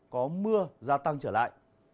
có mưa gia tăng trở lại